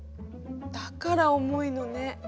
だから重いのね。